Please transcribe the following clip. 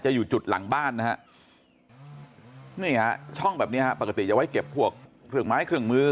อยู่จุดหลังบ้านนะฮะนี่ฮะช่องแบบนี้ฮะปกติจะไว้เก็บพวกเครื่องไม้เครื่องมือ